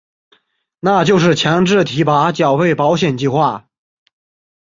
那就是强制提拨缴费保险计划。